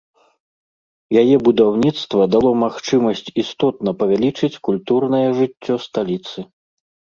Яе будаўніцтва дало магчымасць істотна павялічыць культурнае жыццё сталіцы.